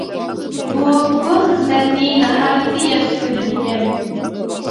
ئۇ بۇ خىزمەتنى ناھايىتى ياخشى كۆرىدىكەن.